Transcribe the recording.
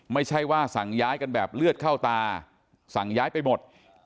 ไม่ใช่ว่าสั่งย้ายกันแบบเลือดเข้าตาสั่งย้ายไปหมด